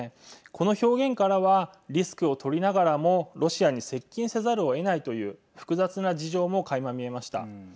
この表現からはリスクを取りながらもロシアに接近せざるをえないという複雑な事情もかいま見えました。